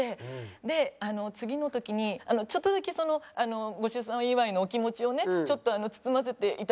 であの次の時にちょっとだけご出産祝いのお気持ちをねちょっと包ませて頂いたんで。